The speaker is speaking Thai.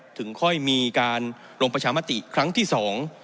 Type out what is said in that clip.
ถึงค่อยมีการลงประชามติครั้งที่สอง